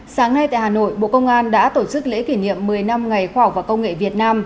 sáng nay tại hà nội bộ công an đã tổ chức lễ kỷ niệm một mươi năm ngày khoa học và công nghệ việt nam